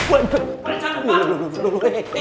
pak jangan pak